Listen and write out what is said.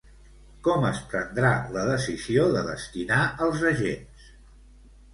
Com es prendrà la decisió de destinar els agents?